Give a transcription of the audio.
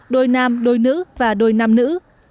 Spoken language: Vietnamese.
đôi nam đôi nữ và đôi nam nữ